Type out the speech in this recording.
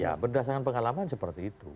ya berdasarkan pengalaman seperti itu